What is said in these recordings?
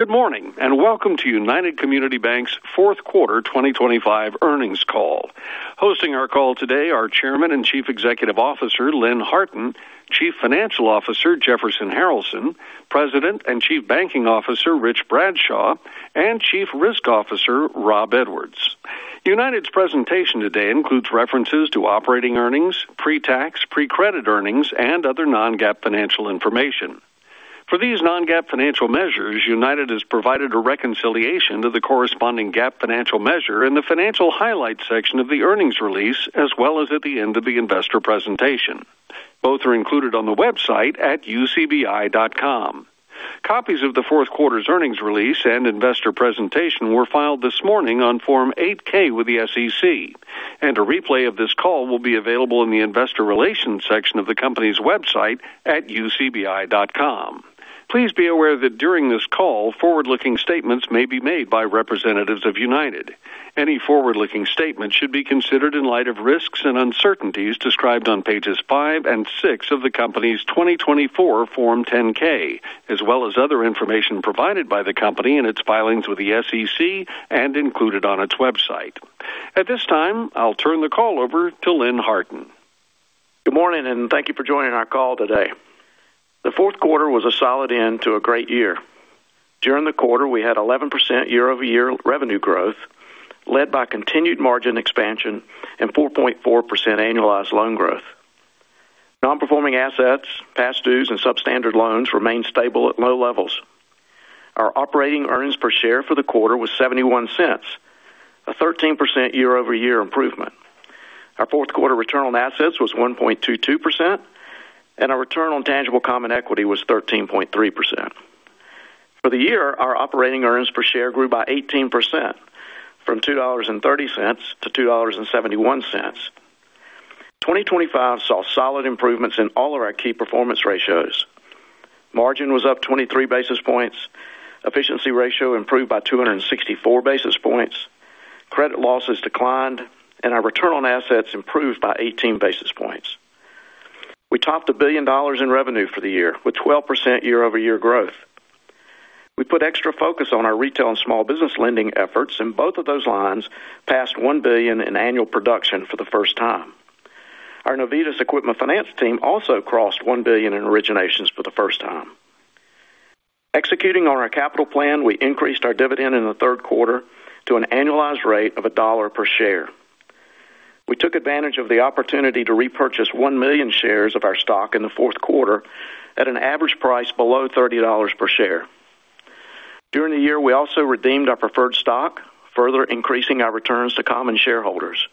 Good morning and welcome to United Community Banks' fourth quarter 2025 earnings call. Hosting our call today are Chairman and Chief Executive Officer Lynn Harton, Chief Financial Officer Jefferson Harralson, President and Chief Banking Officer Rich Bradshaw, and Chief Risk Officer Rob Edwards. United's presentation today includes references to operating earnings, pre-tax, pre-credit earnings, and other non-GAAP financial information. For these non-GAAP financial measures, United has provided a reconciliation to the corresponding GAAP financial measure in the financial highlights section of the earnings release, as well as at the end of the investor presentation. Both are included on the website at ucbi.com. Copies of the fourth quarter's earnings release and investor presentation were filed this morning on Form 8-K with the SEC, and a replay of this call will be available in the investor relations section of the company's website at ucbi.com. Please be aware that during this call, forward-looking statements may be made by representatives of United. Any forward-looking statement should be considered in light of risks and uncertainties described on pages five and six of the company's 2024 Form 10-K, as well as other information provided by the company in its filings with the SEC and included on its website. At this time, I'll turn the call over to Lynn Harton. Good morning and thank you for joining our call today. The fourth quarter was a solid end to a great year. During the quarter, we had 11% year-over-year revenue growth, led by continued margin expansion and 4.4% annualized loan growth. Non-performing assets, past dues, and Substandard loans remained stable at low levels. Our operating earnings per share for the quarter was $0.71, a 13% year-over-year improvement. Our fourth quarter return on assets was 1.22%, and our return on tangible common equity was 13.3%. For the year, our operating earnings per share grew by 18%, from $2.30-$2.71. 2024 saw solid improvements in all of our key performance ratios. Margin was up 23 basis points, efficiency ratio improved by 264 basis points, credit losses declined, and our return on assets improved by 18 basis points. We topped $1 billion in revenue for the year with 12% year-over-year growth. We put extra focus on our retail and small business lending efforts, and both of those lines passed $1 billion in annual production for the first time. Our Novitas equipment finance team also crossed $1 billion in originations for the first time. Executing on our capital plan, we increased our dividend in the third quarter to an annualized rate of $1 per share. We took advantage of the opportunity to repurchase 1 million shares of our stock in the fourth quarter at an average price below $30 per share. During the year, we also redeemed our preferred stock, further increasing our returns to common shareholders.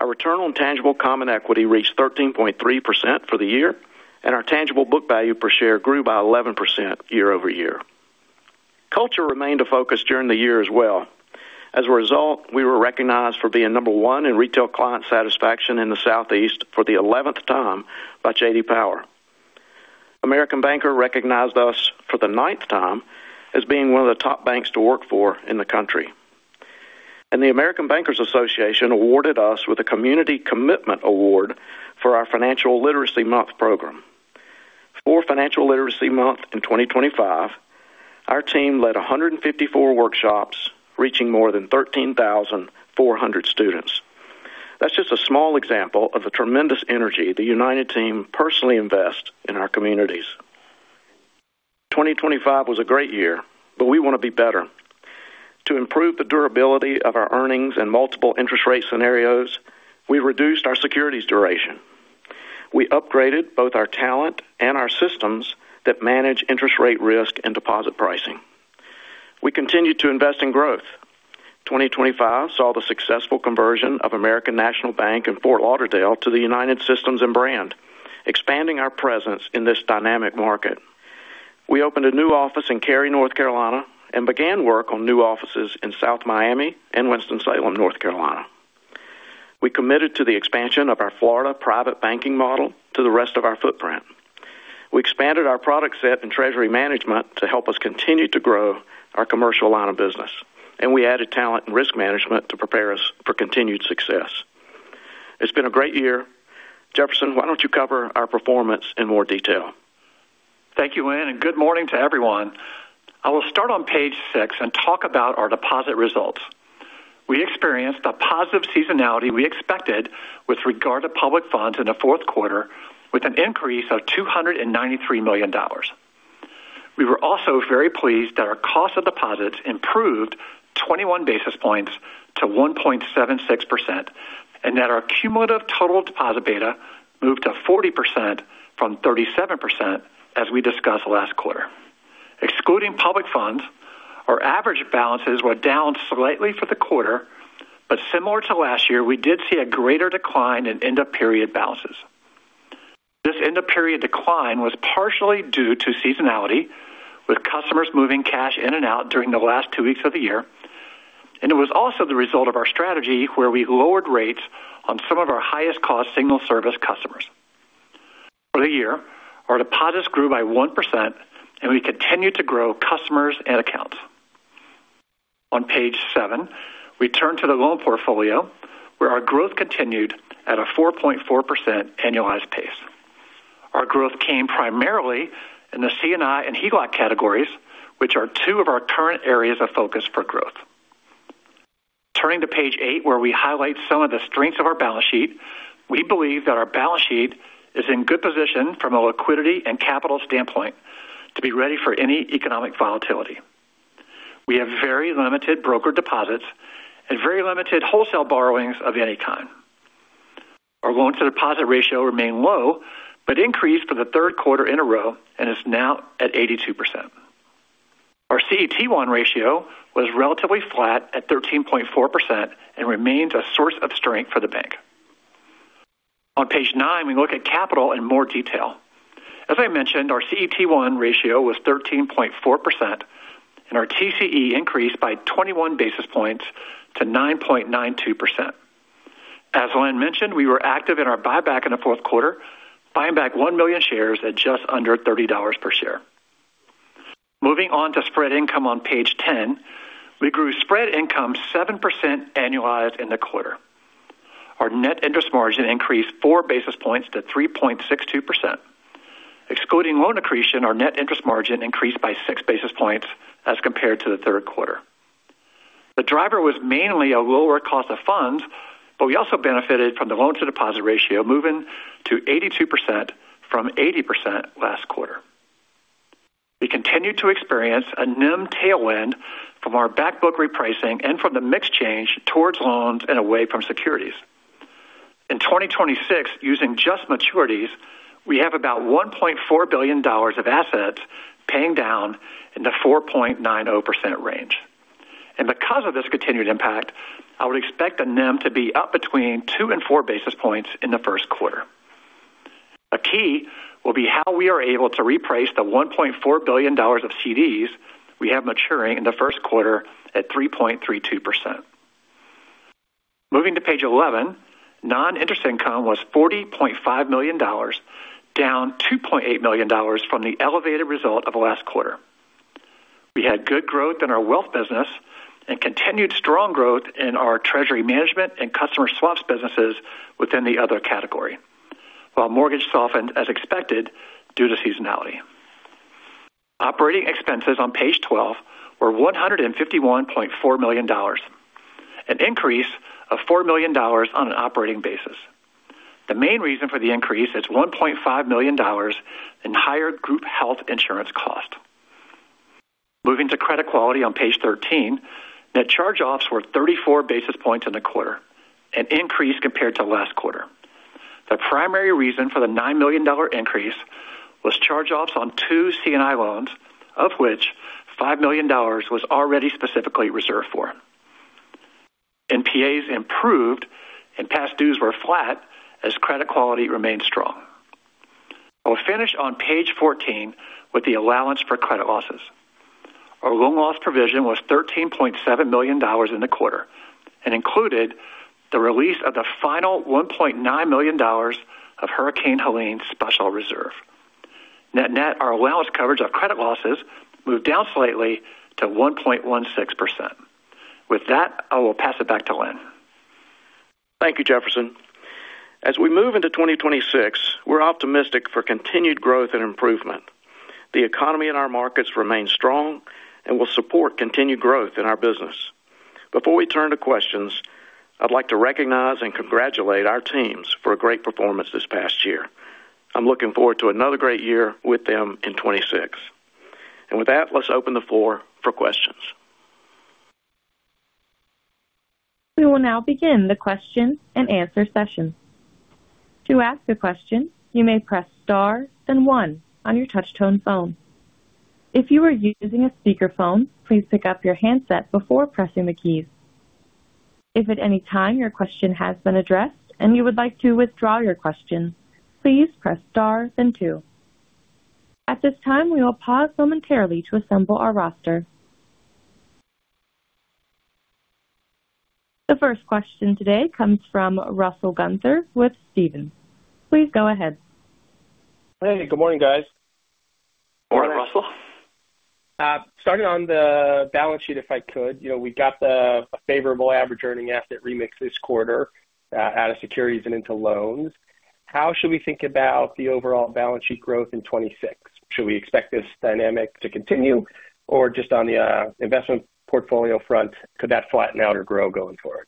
Our return on tangible common equity reached 13.3% for the year, and our tangible book value per share grew by 11% year-over-year. Culture remained a focus during the year as well. As a result, we were recognized for being number one in retail client satisfaction in the Southeast for the 11th time by J.D. Power. American Banker recognized us for the ninth time as being one of the top banks to work for in the country, and the American Bankers Association awarded us with a Community Commitment Award for our Financial Literacy Month program. For Financial Literacy Month in 2025, our team led 154 workshops, reaching more than 13,400 students. That's just a small example of the tremendous energy the United team personally invests in our communities. 2025 was a great year, but we want to be better. To improve the durability of our earnings and multiple interest rate scenarios, we reduced our securities duration. We upgraded both our talent and our systems that manage interest rate risk and deposit pricing. We continued to invest in growth. 2025 saw the successful conversion of American National Bank in Fort Lauderdale to United's systems and brand, expanding our presence in this dynamic market. We opened a new office in Cary, North Carolina, and began work on new offices in South Miami and Winston-Salem, North Carolina. We committed to the expansion of our Florida private banking model to the rest of our footprint. We expanded our product set in treasury management to help us continue to grow our commercial line of business, and we added talent and risk management to prepare us for continued success. It's been a great year. Jefferson, why don't you cover our performance in more detail? Thank you, Lynn, and good morning to everyone. I will start on page six and talk about our deposit results. We experienced the positive seasonality we expected with regard to public funds in the fourth quarter, with an increase of $293 million. We were also very pleased that our cost of deposits improved 21 basis points to 1.76% and that our cumulative total deposit beta moved to 40% from 37% as we discussed last quarter. Excluding public funds, our average balances were down slightly for the quarter, but similar to last year, we did see a greater decline in end-of-period balances. This end-of-period decline was partially due to seasonality, with customers moving cash in and out during the last two weeks of the year, and it was also the result of our strategy where we lowered rates on some of our highest-cost single service customers. For the year, our deposits grew by 1%, and we continued to grow customers and accounts. On page seven, we turn to the loan portfolio, where our growth continued at a 4.4% annualized pace. Our growth came primarily in the C&I and HELOC categories, which are two of our current areas of focus for growth. Turning to page eight, where we highlight some of the strengths of our balance sheet, we believe that our balance sheet is in good position from a liquidity and capital standpoint to be ready for any economic volatility. We have very limited broker deposits and very limited wholesale borrowings of any kind. Our loan-to-deposit ratio remained low but increased for the third quarter in a row and is now at 82%. Our CET1 ratio was relatively flat at 13.4% and remains a source of strength for the bank. On page nine, we look at capital in more detail. As I mentioned, our CET1 ratio was 13.4%, and our TCE increased by 21 basis points to 9.92%. As Lynn mentioned, we were active in our buyback in the fourth quarter, buying back 1 million shares at just under $30 per share. Moving on to spread income on page 10, we grew spread income 7% annualized in the quarter. Our net interest margin increased four basis points to 3.62%. Excluding loan accretion, our net interest margin increased by 6 basis points as compared to the third quarter. The driver was mainly a lower cost of funds, but we also benefited from the loan-to-deposit ratio moving to 82% from 80% last quarter. We continued to experience a NIM tailwind from our back book repricing and from the mix change towards loans and away from securities. In 2026, using just maturities, we have about $1.4 billion of assets paying down in the 4.90% range. Because of this continued impact, I would expect the NIM to be up between two and four basis points in the first quarter. A key will be how we are able to reprice the $1.4 billion of CDs we have maturing in the first quarter at 3.32%. Moving to page 11, non-interest income was $40.5 million, down $2.8 million from the elevated result of last quarter. We had good growth in our wealth business and continued strong growth in our treasury management and customer swaps businesses within the other category, while mortgage softened as expected due to seasonality. Operating expenses on page 12 were $151.4 million, an increase of $4 million on an operating basis. The main reason for the increase is $1.5 million in higher group health insurance cost. Moving to credit quality on page 13, net charge-offs were 34 basis points in the quarter, an increase compared to last quarter. The primary reason for the $9 million increase was charge-offs on two C&I loans, of which $5 million was already specifically reserved for. NPAs improved, and past dues were flat as credit quality remained strong. I will finish on page 14 with the allowance for credit losses. Our loan loss provision was $13.7 million in the quarter and included the release of the final $1.9 million of Hurricane Helene special reserve. Net-net, our allowance coverage of credit losses moved down slightly to 1.16%. With that, I will pass it back to Lynn. Thank you, Jefferson. As we move into 2026, we're optimistic for continued growth and improvement. The economy in our markets remains strong and will support continued growth in our business. Before we turn to questions, I'd like to recognize and congratulate our teams for a great performance this past year. I'm looking forward to another great year with them in 2026. And with that, let's open the floor for questions. We will now begin the question and answer session. To ask a question, you may press star then one on your touch-tone phone. If you are using a speakerphone, please pick up your handset before pressing the keys. If at any time your question has been addressed and you would like to withdraw your question, please press star then two. At this time, we will pause momentarily to assemble our roster. The first question today comes from Russell Gunther with Stephens. Please go ahead. Hey, good morning, guys. Morning, Russell. Starting on the balance sheet, if I could, you know we got a favorable average earning asset remix this quarter out of securities and into loans. How should we think about the overall balance sheet growth in 2026? Should we expect this dynamic to continue, or just on the investment portfolio front, could that flatten out or grow going forward?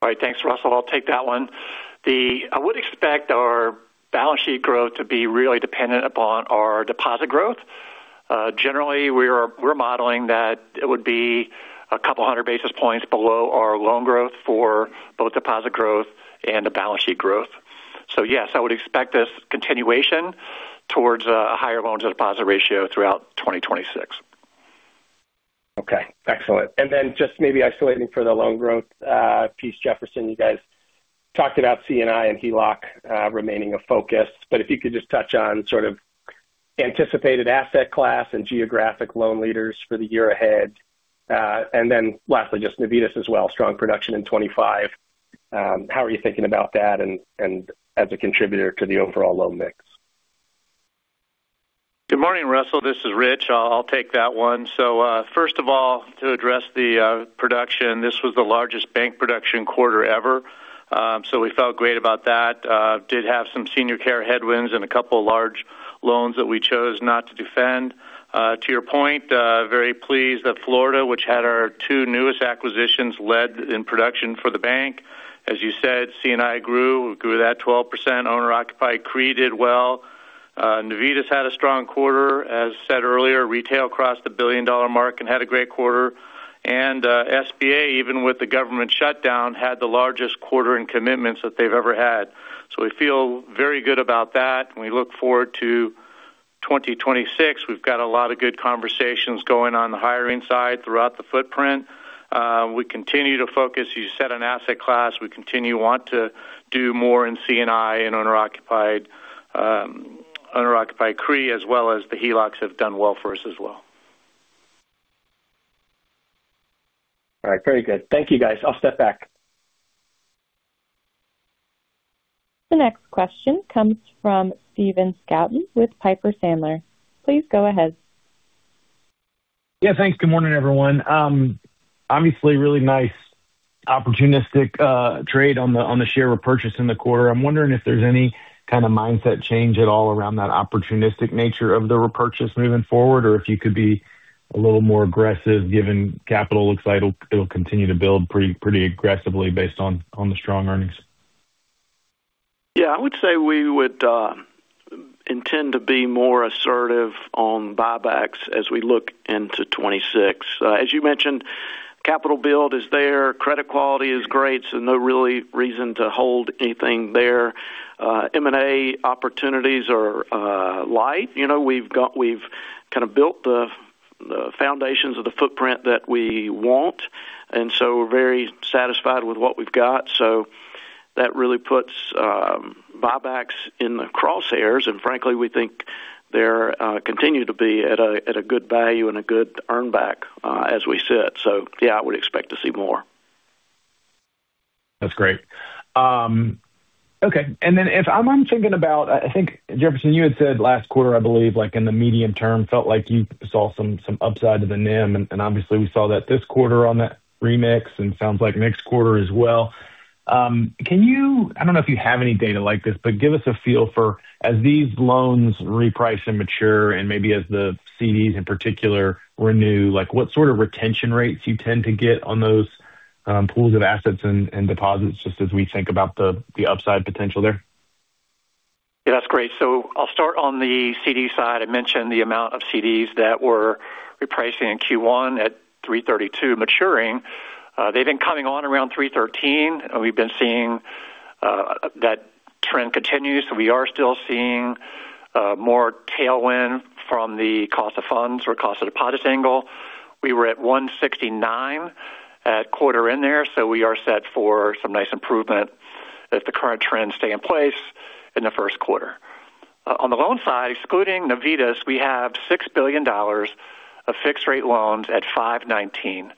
All right, thanks, Russell. I'll take that one. I would expect our balance sheet growth to be really dependent upon our deposit growth. Generally, we're modeling that it would be a couple hundred basis points below our loan growth for both deposit growth and the balance sheet growth. So yes, I would expect this continuation towards a higher loan-to-deposit ratio throughout 2026. Okay, excellent. And then just maybe isolating for the loan growth piece, Jefferson, you guys talked about C&I and HELOC remaining a focus, but if you could just touch on sort of anticipated asset class and geographic loan leaders for the year ahead? And then lastly, just Novitas as well, strong production in 2025. How are you thinking about that as a contributor to the overall loan mix? Good morning, Russell. This is Rich. I'll take that one. So first of all, to address the production, this was the largest bank production quarter ever. So we felt great about that. Did have some senior care headwinds and a couple of large loans that we chose not to defend. To your point, very pleased that Florida, which had our two newest acquisitions, led in production for the bank. As you said, C&I grew. We grew that 12%. Owner-occupied CRE did well. Novitas had a strong quarter. As said earlier, retail crossed the billion-dollar mark and had a great quarter. And SBA, even with the government shutdown, had the largest quarter in commitments that they've ever had. So we feel very good about that. We look forward to 2026. We've got a lot of good conversations going on the hiring side throughout the footprint. We continue to focus, you said, on asset class. We continue to want to do more in C&I and owner-occupied CRE, as well as the HELOCs have done well for us as well. All right, very good. Thank you, guys. I'll step back. The next question comes from Stephen Scouten with Piper Sandler. Please go ahead. Yeah, thanks. Good morning, everyone. Obviously, really nice opportunistic trade on the share repurchase in the quarter. I'm wondering if there's any kind of mindset change at all around that opportunistic nature of the repurchase moving forward, or if you could be a little more aggressive given capital looks like it'll continue to build pretty aggressively based on the strong earnings? Yeah, I would say we would intend to be more assertive on buybacks as we look into 2026. As you mentioned, capital build is there. Credit quality is great, so no real reason to hold anything there. M&A opportunities are light. You know we've kind of built the foundations of the footprint that we want, and so we're very satisfied with what we've got. So that really puts buybacks in the crosshairs, and frankly, we think they continue to be at a good value and a good earnback as we sit. So yeah, I would expect to see more. That's great. Okay, and then if I'm thinking about, I think, Jefferson, you had said last quarter, I believe, like in the medium term, felt like you saw some upside to the NIM, and obviously we saw that this quarter on that remix and sounds like next quarter as well. Can you, I don't know if you have any data like this, but give us a feel for, as these loans reprice and mature and maybe as the CDs in particular renew, like what sort of retention rates you tend to get on those pools of assets and deposits just as we think about the upside potential there? Yeah, that's great. So I'll start on the CD side. I mentioned the amount of CDs that were repricing in Q1 at 3.32% maturing. They've been coming on around 3.13%, and we've been seeing that trend continue. So we are still seeing more tailwind from the cost of funds or cost of deposits angle. We were at 1.69% at quarter in there, so we are set for some nice improvement if the current trends stay in place in the first quarter. On the loan side, excluding Novitas, we have $6 billion of fixed-rate loans at 5.19%.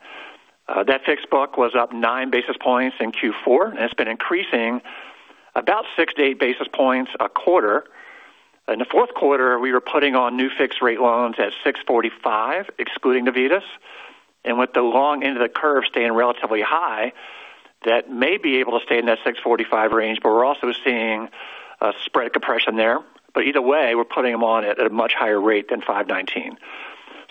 That fixed book was up nine basis points in Q4, and it's been increasing about 6-8 basis points a quarter. In the fourth quarter, we were putting on new fixed-rate loans at 6.45%, excluding Novitas, and with the long end of the curve staying relatively high, that may be able to stay in that 6.45% range, but we're also seeing a spread compression there. But either way, we're putting them on at a much higher rate than 5.19.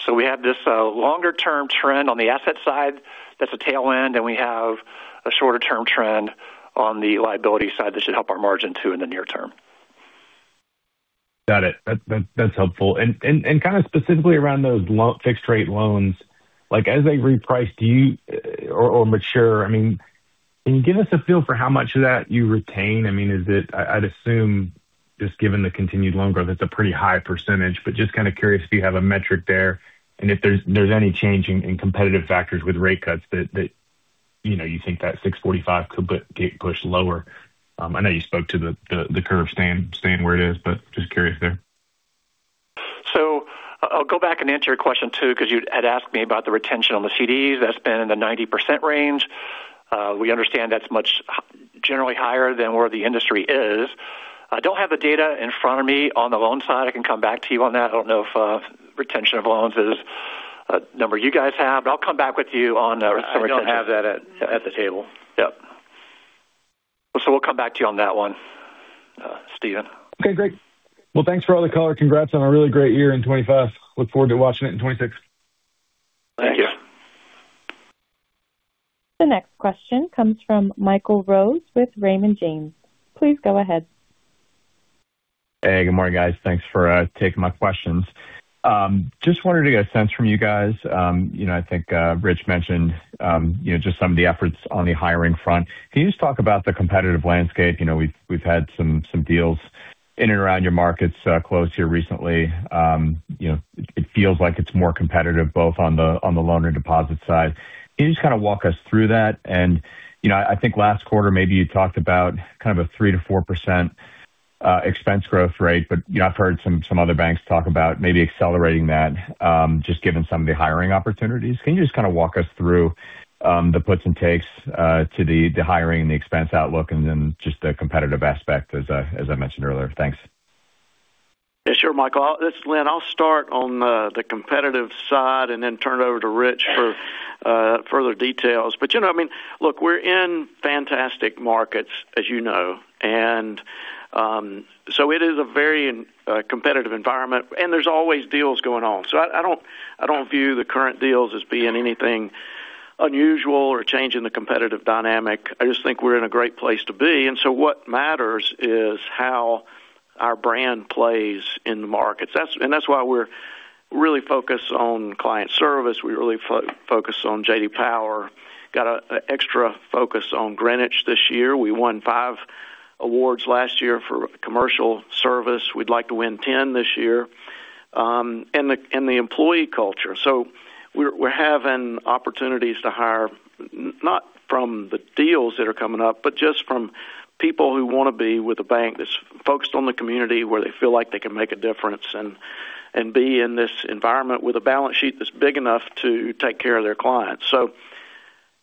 So we have this longer-term trend on the asset side that's a tailwind, and we have a shorter-term trend on the liability side that should help our margin too in the near term. Got it. That's helpful. And kind of specifically around those fixed-rate loans, like as they reprice or mature, I mean, can you give us a feel for how much of that you retain? I mean, is it, I'd assume, just given the continued loan growth, it's a pretty high percentage, but just kind of curious if you have a metric there and if there's any change in competitive factors with rate cuts that you think that 6.45% could get pushed lower. I know you spoke to the curve staying where it is, but just curious there. I'll go back and answer your question too, because you had asked me about the retention on the CDs. That's been in the 90% range. We understand that's much generally higher than where the industry is. I don't have the data in front of me on the loan side. I can come back to you on that. I don't know if retention of loans is a number you guys have, but I'll come back with you on retention. I don't have that at the table. Yep. So we'll come back to you on that one, Stephen. Okay, great. Well, thanks for all the color. Congrats on a really great year in 2025. Look forward to watching it in 2026. Thank you. The next question comes from Michael Rose with Raymond James. Please go ahead. Hey, good morning, guys. Thanks for taking my questions. Just wanted to get a sense from you guys. You know I think Rich mentioned you know just some of the efforts on the hiring front. Can you just talk about the competitive landscape? You know we've had some deals in and around your markets close here recently. You know it feels like it's more competitive both on the loan and deposit side. Can you just kind of walk us through that? And you know I think last quarter maybe you talked about kind of a 3%-4% expense growth rate, but you know I've heard some other banks talk about maybe accelerating that just given some of the hiring opportunities. Can you just kind of walk us through the puts and takes to the hiring and the expense outlook and then just the competitive aspect, as I mentioned earlier? Thanks. Yeah, sure, Michael. This is Lynn. I'll start on the competitive side and then turn it over to Rich for further details. But you know I mean, look, we're in fantastic markets, as you know. And so it is a very competitive environment, and there's always deals going on. So I don't view the current deals as being anything unusual or changing the competitive dynamic. I just think we're in a great place to be. And so what matters is how our brand plays in the markets. And that's why we're really focused on client service. We really focus on J.D. Power. Got an extra focus on Greenwich this year. We won five awards last year for commercial service. We'd like to win 10 this year. And the employee culture. So, we're having opportunities to hire not from the deals that are coming up, but just from people who want to be with a bank that's focused on the community where they feel like they can make a difference and be in this environment with a balance sheet that's big enough to take care of their clients.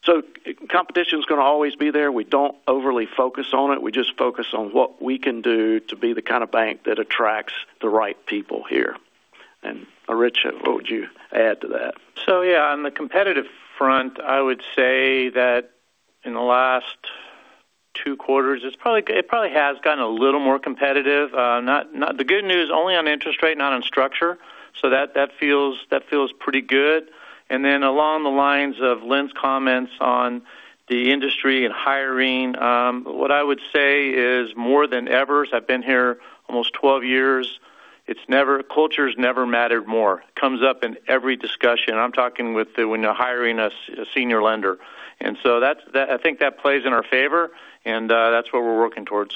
So, competition is going to always be there. We don't overly focus on it. We just focus on what we can do to be the kind of bank that attracts the right people here. And Rich, what would you add to that? So yeah, on the competitive front, I would say that in the last two quarters, it probably has gotten a little more competitive. The good news only on interest rate, not on structure. So that feels pretty good. And then along the lines of Lynn's comments on the industry and hiring, what I would say is more than ever, as I've been here almost 12 years, culture has never mattered more. It comes up in every discussion. I'm talking with when you're hiring a senior lender. And so I think that plays in our favor, and that's what we're working towards.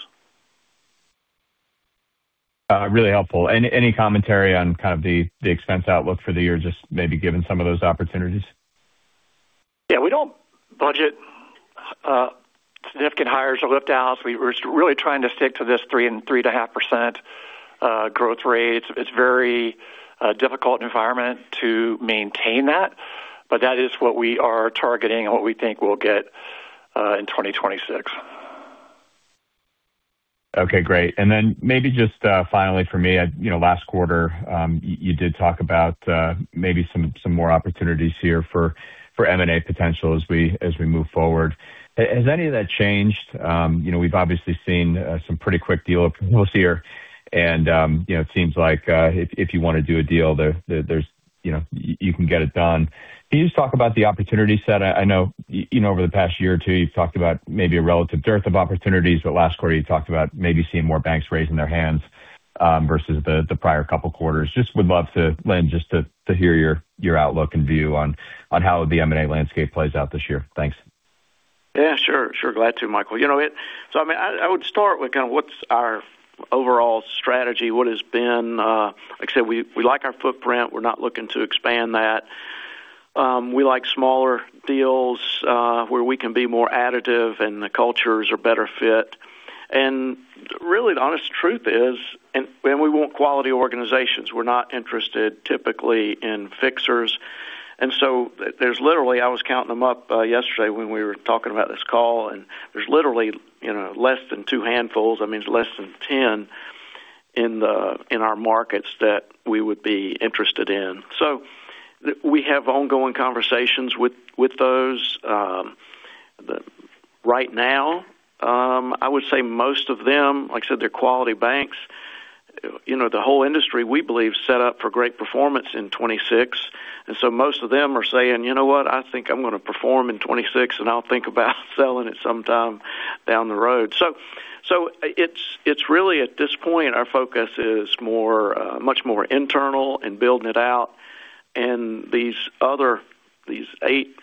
Really helpful. Any commentary on kind of the expense outlook for the year, just maybe given some of those opportunities? Yeah, we don't budget significant hires or lift-outs. We're really trying to stick to this 3% and 3.5% growth rate. It's a very difficult environment to maintain that, but that is what we are targeting and what we think we'll get in 2026. Okay, great. And then maybe just finally for me, last quarter, you did talk about maybe some more opportunities here for M&A potential as we move forward. Has any of that changed? You know we've obviously seen some pretty quick deals this year, and it seems like if you want to do a deal, you can get it done. Can you just talk about the opportunity set? I know over the past year or two, you've talked about maybe a relative dearth of opportunities, but last quarter, you talked about maybe seeing more banks raising their hands versus the prior couple quarters. Just would love to, Lynn, just to hear your outlook and view on how the M&A landscape plays out this year. Thanks. Yeah, sure. Sure, glad to, Michael. You know what? So I mean, I would start with kind of what's our overall strategy, what has been. Like I said, we like our footprint. We're not looking to expand that. We like smaller deals where we can be more additive and the cultures are better fit. And really, the honest truth is, and we want quality organizations. We're not interested typically in fixers. And so there's literally, I was counting them up yesterday when we were talking about this call, and there's literally less than two handfuls. I mean, it's less than 10 in our markets that we would be interested in. So we have ongoing conversations with those. Right now, I would say most of them, like I said, they're quality banks. You know the whole industry, we believe, set up for great performance in 2026. And so most of them are saying, you know what, I think I'm going to perform in 2026, and I'll think about selling it sometime down the road. So it's really, at this point, our focus is much more internal and building it out. And these other eight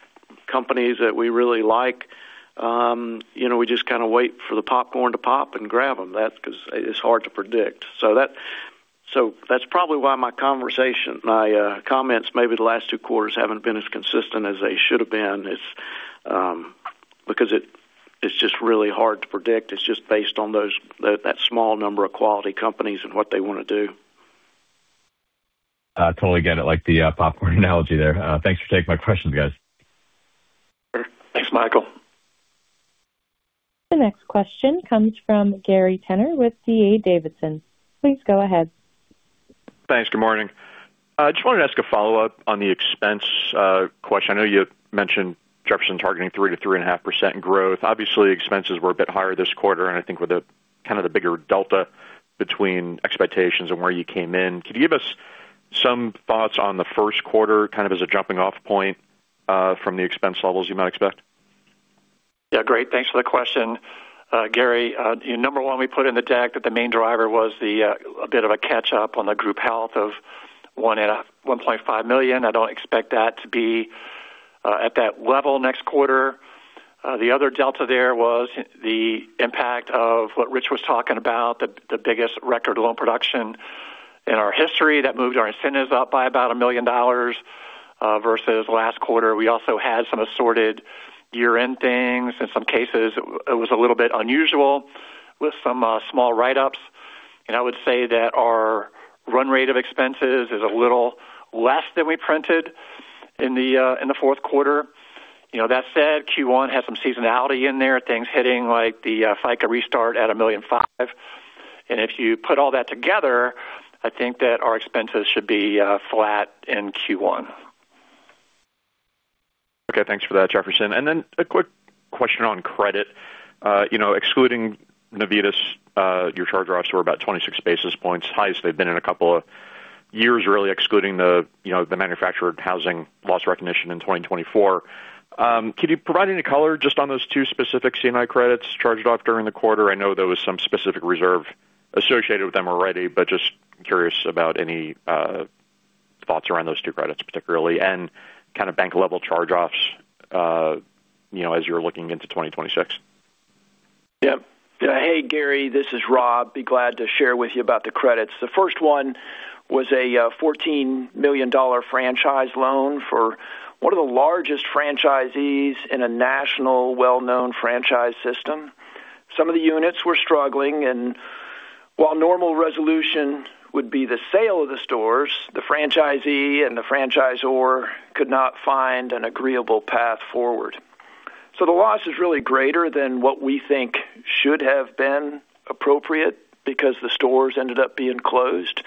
companies that we really like, you know we just kind of wait for the popcorn to pop and grab them. That's because it's hard to predict. So that's probably why my conversation, my comments, maybe the last two quarters haven't been as consistent as they should have been, because it's just really hard to predict. It's just based on that small number of quality companies and what they want to do. Totally get it, like the popcorn analogy there. Thanks for taking my questions, guys. Thanks, Michael. The next question comes from Gary Tenner with D.A. Davidson. Please go ahead. Thanks. Good morning. I just wanted to ask a follow-up on the expense question. I know you mentioned Jefferson targeting 3%-3.5% growth. Obviously, expenses were a bit higher this quarter, and I think with kind of the bigger delta between expectations and where you came in, could you give us some thoughts on the first quarter kind of as a jumping-off point from the expense levels you might expect? Yeah, great. Thanks for the question. Gary, number one, we put in the deck that the main driver was a bit of a catch-up on the group health of $1.5 million. I don't expect that to be at that level next quarter. The other delta there was the impact of what Rich was talking about, the biggest record loan production in our history. That moved our incentives up by about $1 million versus last quarter. We also had some assorted year-end things. In some cases, it was a little bit unusual with some small write-ups. And I would say that our run rate of expenses is a little less than we printed in the fourth quarter. You know, that said, Q1 had some seasonality in there, things hitting like the FICA restart at $1.5 million. If you put all that together, I think that our expenses should be flat in Q1. Okay, thanks for that, Jefferson. And then a quick question on credit. You know, excluding Novitas, your charge-offs were about 26 basis points, highest they've been in a couple of years, really, excluding the manufactured housing loss recognition in 2024. Could you provide any color just on those two specific C&I credits charged off during the quarter? I know there was some specific reserve associated with them already, but just curious about any thoughts around those two credits particularly and kind of bank-level charge-offs as you're looking into 2026. Yeah. Hey, Gary, this is Rob. Be glad to share with you about the credits. The first one was a $14 million franchise loan for one of the largest franchisees in a national well-known franchise system. Some of the units were struggling, and while normal resolution would be the sale of the stores, the franchisee and the franchisor could not find an agreeable path forward, so the loss is really greater than what we think should have been appropriate because the stores ended up being closed,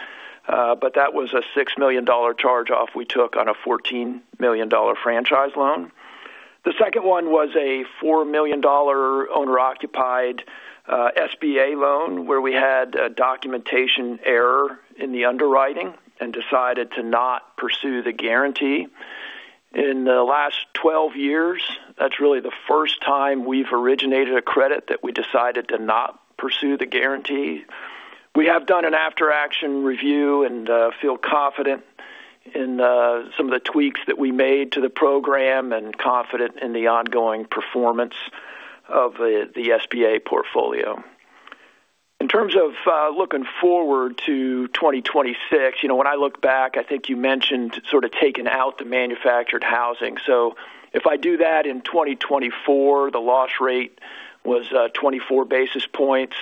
but that was a $6 million charge-off we took on a $14 million franchise loan. The second one was a $4 million owner-occupied SBA loan where we had a documentation error in the underwriting and decided to not pursue the guarantee. In the last 12 years, that's really the first time we've originated a credit that we decided to not pursue the guarantee. We have done an after-action review and feel confident in some of the tweaks that we made to the program and confident in the ongoing performance of the SBA portfolio. In terms of looking forward to 2026, you know, when I look back, I think you mentioned sort of taking out the manufactured housing. So if I do that in 2024, the loss rate was 24 basis points.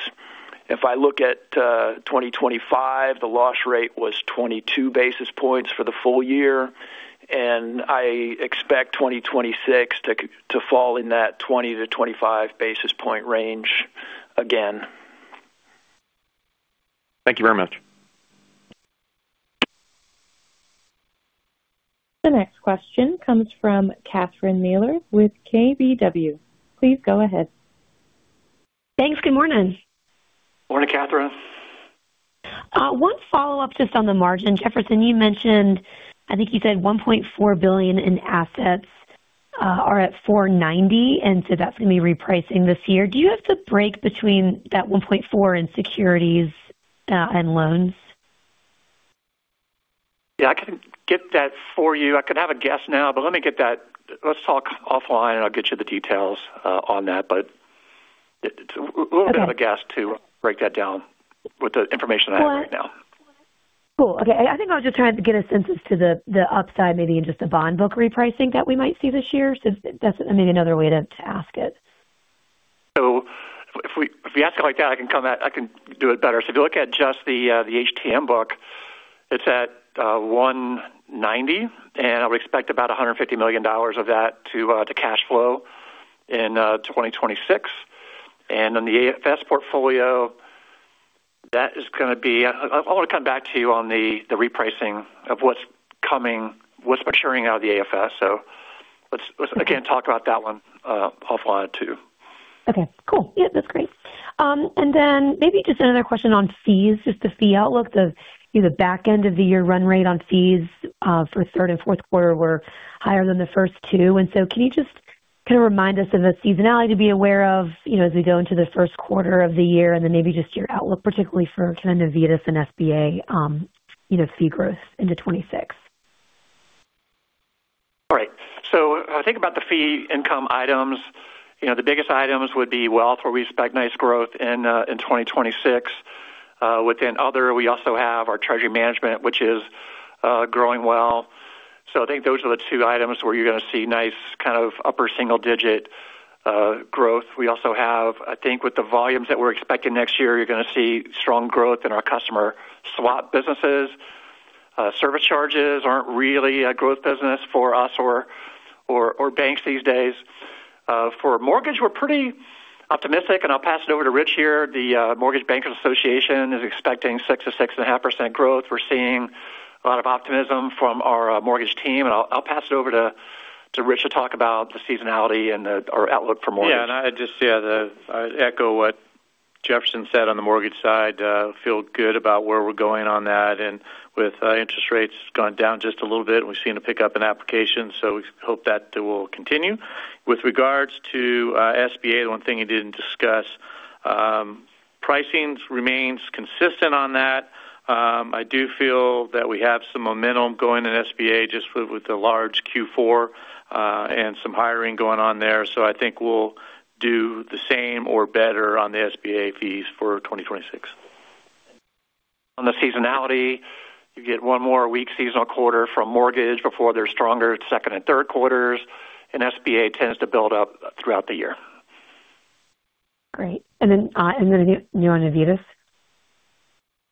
If I look at 2025, the loss rate was 22 basis points for the full year, and I expect 2026 to fall in that 20-25 basis point range again. Thank you very much. The next question comes from Catherine Mealor with KBW. Please go ahead. Thanks. Good morning. Morning, Catherine. One follow-up just on the margin. Jefferson, you mentioned, I think you said $1.4 billion in assets are at $490, and so that's going to be repricing this year. Do you have the break between that $1.4 and securities and loans? Yeah, I can get that for you. I can have a guess now, but let me get that. Let's talk offline, and I'll get you the details on that. But we'll have a guess to break that down with the information I have right now. Cool. Okay. I think I was just trying to get a sense as to the upside maybe in just the bond book repricing that we might see this year. So that's maybe another way to ask it. So if we ask it like that, I can do it better. So if you look at just the HTM book, it's at 1.90%, and I would expect about $150 million of that to cash flow in 2026. And on the AFS portfolio, that is going to be. I want to come back to you on the repricing of what's maturing out of the AFS. So let's again talk about that one offline too. Okay. Cool. Yeah, that's great. And then maybe just another question on fees, just the fee outlook. The back end of the year run rate on fees for third and fourth quarter were higher than the first two. And so can you just kind of remind us of the seasonality to be aware of as we go into the first quarter of the year and then maybe just your outlook, particularly for kind of Novitas and SBA fee growth into 2026? All right, so I think about the fee income items. The biggest items would be wealth, where we expect nice growth in 2026. Within other, we also have our treasury management, which is growing well. So I think those are the two items where you're going to see nice kind of upper single-digit growth. We also have, I think with the volumes that we're expecting next year, you're going to see strong growth in our customer swap businesses. Service charges aren't really a growth business for us or banks these days. For mortgage, we're pretty optimistic, and I'll pass it over to Rich here. The Mortgage Bankers Association is expecting 6%-6.5% growth. We're seeing a lot of optimism from our mortgage team, and I'll pass it over to Rich to talk about the seasonality and our outlook for mortgage. Yeah, and I'd just, yeah, I'd echo what Jefferson said on the mortgage side. Feel good about where we're going on that. And with interest rates gone down just a little bit, we've seen a pickup in applications. So we hope that will continue. With regards to SBA, the one thing you didn't discuss, pricing remains consistent on that. I do feel that we have some momentum going in SBA just with the large Q4 and some hiring going on there. So I think we'll do the same or better on the SBA fees for 2026. On the seasonality, you get one more weak seasonal quarter from mortgage before they're stronger in second and third quarters, and SBA tends to build up throughout the year. Great. And then you on Novitas?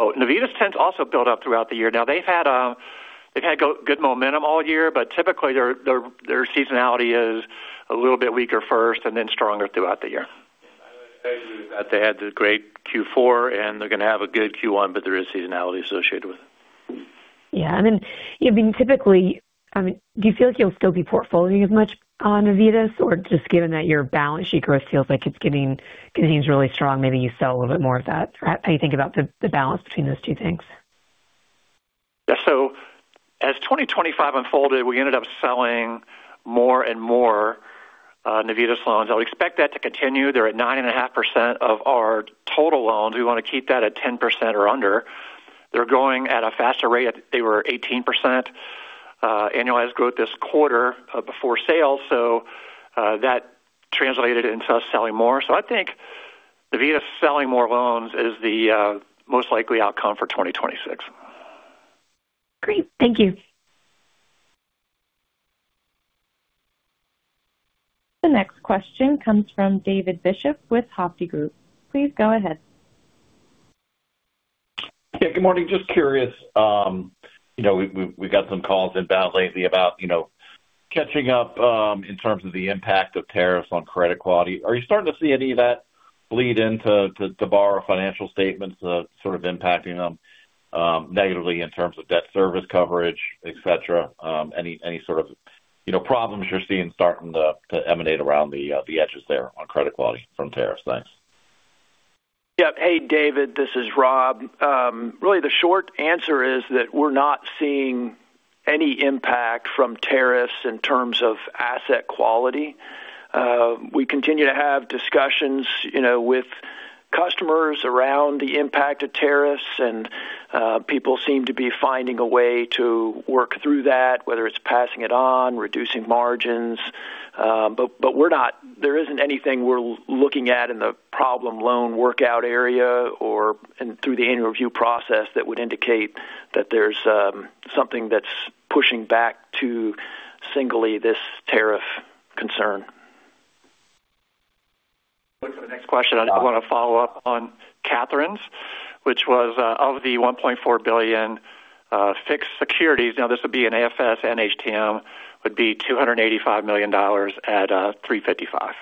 Oh, Novitas tends to also build up throughout the year. Now, they've had good momentum all year, but typically their seasonality is a little bit weaker first and then stronger throughout the year. I would say that they had a great Q4, and they're going to have a good Q1, but there is seasonality associated with it. Yeah. I mean, typically, do you feel like you'll still be portfolioing as much on Novitas? Or just given that your balance sheet growth feels like it's getting really strong, maybe you sell a little bit more of that? How do you think about the balance between those two things? Yeah. So as 2025 unfolded, we ended up selling more and more Novitas loans. I would expect that to continue. They're at 9.5% of our total loans. We want to keep that at 10% or under. They're going at a faster rate. They were 18% annualized growth this quarter before sale. So that translated into us selling more. So I think Novitas selling more loans is the most likely outcome for 2026. Great. Thank you. The next question comes from David Bishop with Hovde Group. Please go ahead. Yeah, good morning. Just curious. You know we got some calls in about you know catching up in terms of the impact of tariffs on credit quality. Are you starting to see any of that bleed into the bank's financial statements sort of impacting them negatively in terms of debt service coverage, etc.? Any sort of problems you're seeing starting to emanate around the edges there on credit quality from tariffs? Thanks. Yeah. Hey, David, this is Rob. Really, the short answer is that we're not seeing any impact from tariffs in terms of asset quality. We continue to have discussions with customers around the impact of tariffs. And people seem to be finding a way to work through that, whether it's passing it on, reducing margins. But there isn't anything we're looking at in the problem loan workout area or through the annual review process that would indicate that there's something that's pushing back to simply this tariff concern. For the next question, I want to follow up on Catherine's, which was of the $1.4 billion fixed securities. Now, this would be an AFS and HTM would be $285 million and $355 million.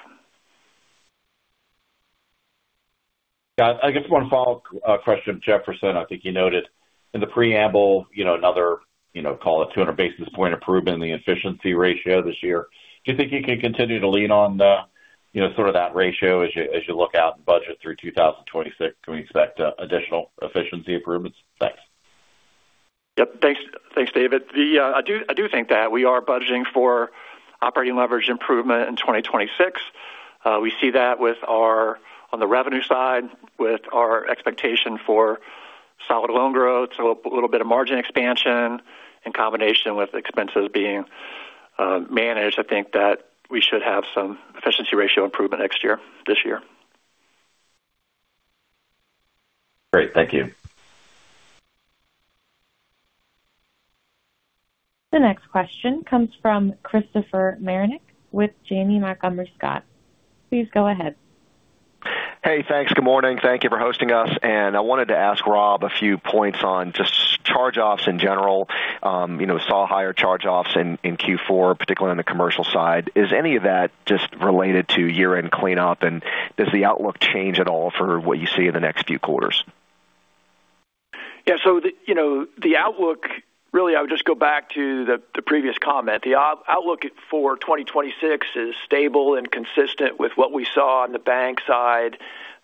Yeah. I guess one follow-up question of Jefferson. I think you noted in the preamble, you know, another, you know, call it 200 basis point improvement in the efficiency ratio this year. Do you think you can continue to lean on, you know, sort of that ratio as you look out and budget through 2026? Can we expect additional efficiency improvements? Thanks. Yep. Thanks, David. I do think that we are budgeting for operating leverage improvement in 2026. We see that with our on the revenue side with our expectation for solid loan growth, a little bit of margin expansion in combination with expenses being managed. I think that we should have some efficiency ratio improvement next year, this year. Great. Thank you. The next question comes from Christopher Marinac with Janney Montgomery Scott. Please go ahead. Hey, thanks. Good morning. Thank you for hosting us. And I wanted to ask Rob a few points on just charge-offs in general. You know, saw higher charge-offs in Q4, particularly on the commercial side. Is any of that just related to year-end cleanup? And does the outlook change at all for what you see in the next few quarters? Yeah. So, you know, the outlook, really, I would just go back to the previous comment. The outlook for 2026 is stable and consistent with what we saw on the bank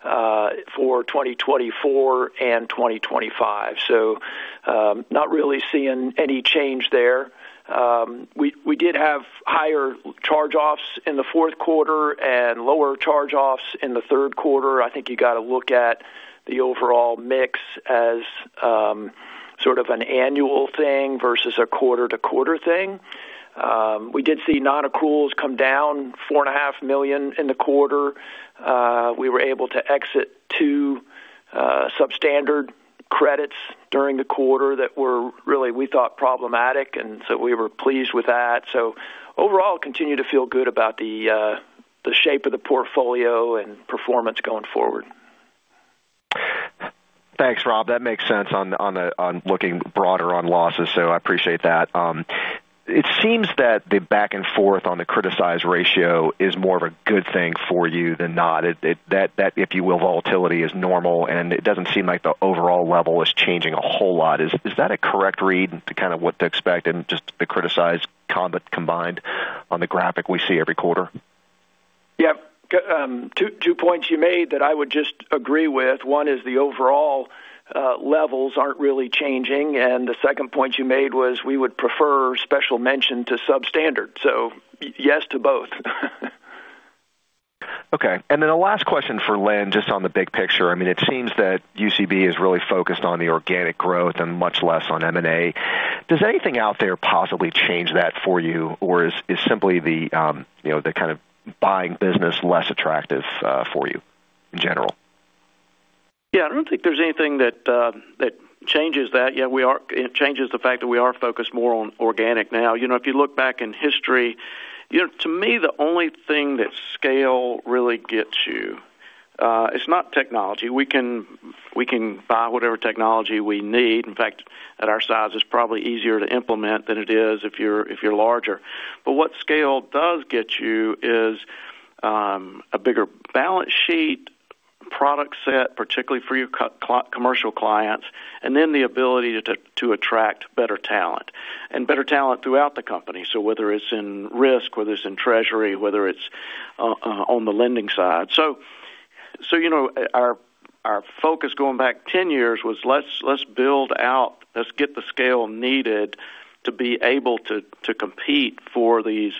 side for 2024 and 2025. So not really seeing any change there. We did have higher charge-offs in the fourth quarter and lower charge-offs in the third quarter. I think you got to look at the overall mix as sort of an annual thing versus a quarter-to-quarter thing. We did see non-accruals come down $4.5 million in the quarter. We were able to exit two substandard credits during the quarter that were really, we thought, problematic. And so we were pleased with that. So overall, continue to feel good about the shape of the portfolio and performance going forward. Thanks, Rob. That makes sense on looking broader on losses, so I appreciate that. It seems that the back and forth on the criticized ratio is more of a good thing for you than not. That, if you will, volatility is normal, and it doesn't seem like the overall level is changing a whole lot. Is that a correct read to kind of what to expect and just the criticized combined on the graphic we see every quarter? Yeah. Two points you made that I would just agree with. One is the overall levels aren't really changing. And the second point you made was we would prefer Special Mention to substandard. So yes to both. Okay. And then the last question for Lynn, just on the big picture. I mean, it seems that UCB is really focused on the organic growth and much less on M&A. Does anything out there possibly change that for you? Or is simply the kind of buying business less attractive for you in general? Yeah. I don't think there's anything that changes that. Yeah, it changes the fact that we are focused more on organic now. You know if you look back in history, you know to me, the only thing that scale really gets you, it's not technology. We can buy whatever technology we need. In fact, at our size, it's probably easier to implement than it is if you're larger. But what scale does get you is a bigger balance sheet, product set, particularly for your commercial clients, and then the ability to attract better talent and better talent throughout the company. So whether it's in risk, whether it's in treasury, whether it's on the lending side. So you know our focus going back 10 years was let's build out, let's get the scale needed to be able to compete for these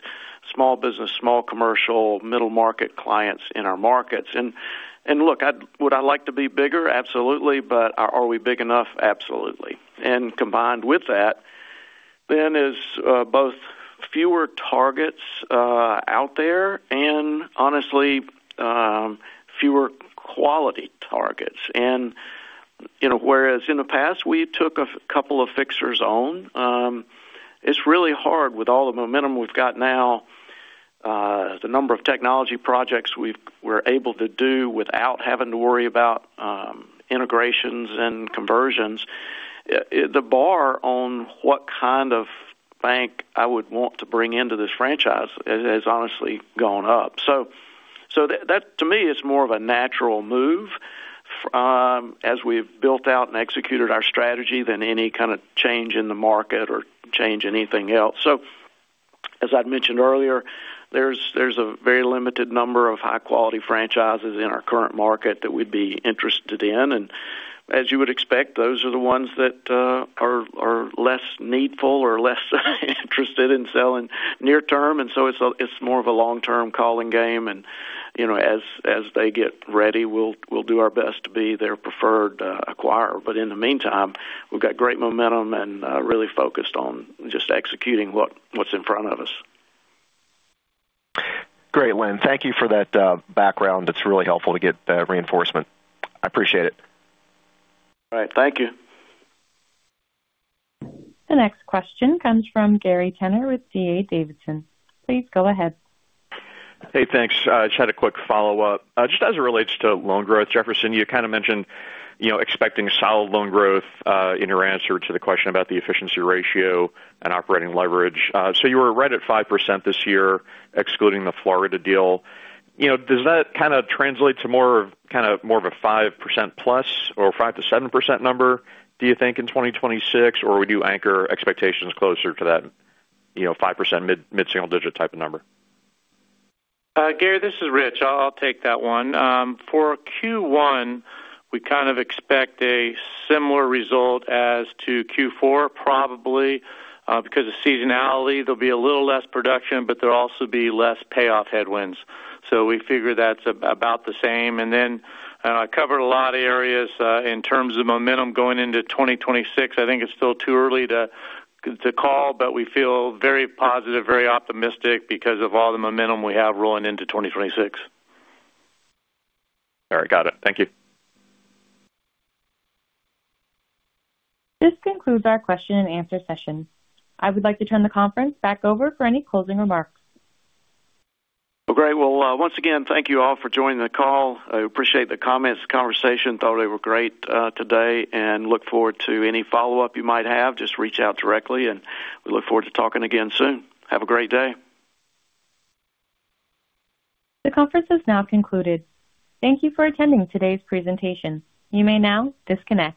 small business, small commercial, middle market clients in our markets. And look, would I like to be bigger? Absolutely. But are we big enough? Absolutely. And combined with that, then is both fewer targets out there and honestly fewer quality targets. And you know whereas in the past, we took a couple of fixers on, it's really hard with all the momentum we've got now, the number of technology projects we're able to do without having to worry about integrations and conversions. The bar on what kind of bank I would want to bring into this franchise has honestly gone up. So that to me is more of a natural move as we've built out and executed our strategy than any kind of change in the market or change anything else. So as I'd mentioned earlier, there's a very limited number of high-quality franchises in our current market that we'd be interested in. And as you would expect, those are the ones that are less needful or less interested in selling near term. And so it's more of a long-term calling game. And you know as they get ready, we'll do our best to be their preferred acquirer. But in the meantime, we've got great momentum and really focused on just executing what's in front of us. Great, Lynn. Thank you for that background. It's really helpful to get reinforcement. I appreciate it. All right. Thank you. The next question comes from Gary Tenner with D.A. Davidson. Please go ahead. Hey, thanks. Just had a quick follow-up. Just as it relates to loan growth, Jefferson, you kind of mentioned expecting solid loan growth in your answer to the question about the efficiency ratio and operating leverage. So you were right at 5% this year, excluding the Florida deal. You know does that kind of translate to more of kind of more of a 5% plus or 5%-7% number, do you think, in 2026? Or would you anchor expectations closer to that 5% mid-single digit type of number? Gary, this is Rich. I'll take that one. For Q1, we kind of expect a similar result as to Q4, probably. Because of seasonality, there'll be a little less production, but there'll also be less payoff headwinds. So we figure that's about the same, and then I covered a lot of areas in terms of momentum going into 2026. I think it's still too early to call, but we feel very positive, very optimistic because of all the momentum we have rolling into 2026. All right. Got it. Thank you. This concludes our question and answer session. I would like to turn the conference back over for any closing remarks. Great. Once again, thank you all for joining the call. I appreciate the comments, the conversation. Thought they were great today. Look forward to any follow-up you might have. Just reach out directly. We look forward to talking again soon. Have a great day. The conference has now concluded. Thank you for attending today's presentation. You may now disconnect.